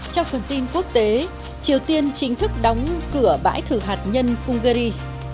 trong phần tin quốc tế triều tiên chính thức đóng cửa bãi thử hạt nhân hungary